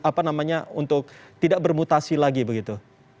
apa namanya untuk tidak bermutasi lagi begitu